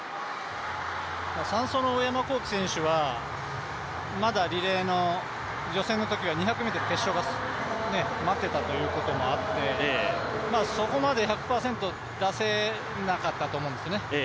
３走の上山紘輝選手は、まだリレーの予選のときは２００ｍの決勝が待っていたということもあってそこまで１００％出せなかったと思うんですね。